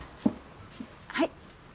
はい。